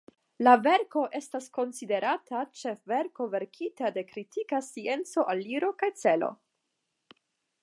La verko estas konsiderata ĉefverko verkita de kritika scienca aliro kaj celo.